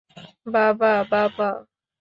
বাবা, বাবা!